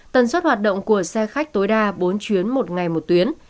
tần suất hoạt động của xe khách tối đa bốn chuyến một ngày một tuyến